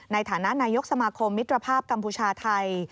ในฐานะนายกสมาคมมิตรภาพกัมพูชาไทย